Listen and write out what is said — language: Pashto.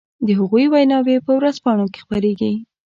د هغو ويناوې په ورځپانو کې خپرېږي.